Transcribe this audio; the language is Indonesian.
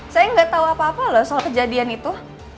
saya gak tau apa apa loh soal kejadian itu